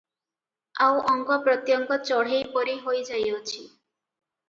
ଆଉ ଅଙ୍ଗ ପ୍ରତ୍ୟଙ୍ଗ ଚଢ଼େଇ ପରି ହୋଇ ଯାଇଅଛି ।